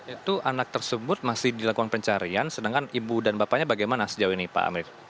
itu anak tersebut masih dilakukan pencarian sedangkan ibu dan bapaknya bagaimana sejauh ini pak amir